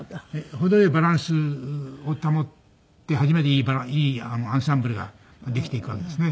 程良いバランスを保って初めていいアンサンブルができていくわけですね。